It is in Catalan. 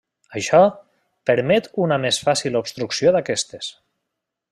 Això, permet una més fàcil obstrucció d'aquestes.